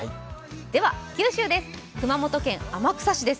では九州です。